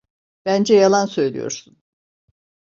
Bence yalan söylüyorsun.